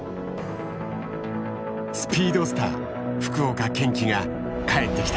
スピードスター福岡堅樹が帰ってきた。